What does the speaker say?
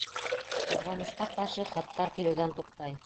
Ҡыҙғанысҡа ҡаршы, хаттар килеүҙән туҡтай.